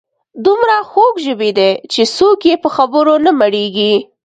دومره خوږ ژبي دي چې څوک یې په خبرو نه مړیږي.